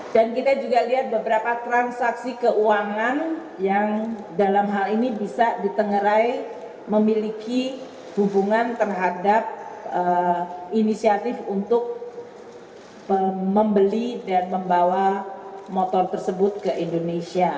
dan kita juga melihat beberapa transaksi keuangan yang dalam hal ini bisa ditengerai memiliki hubungan terhadap inisiatif untuk membeli dan membawa motor tersebut ke indonesia